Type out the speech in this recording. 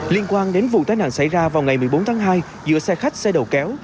liên quan đến vụ tai nạn xảy ra vào ngày một mươi bốn tháng hai giữa xe khách xe đầu kéo